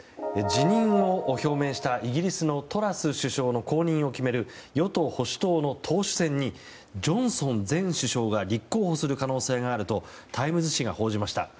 辞任を表明したイギリスのトラス首相の後任を決める与党・保守党の党首選にジョンソン前首相が立候補する可能性があるとタイムズ紙が報じました。